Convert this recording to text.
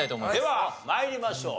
では参りましょう。